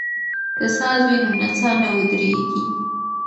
که ساز وي نو نڅا نه ودریږي.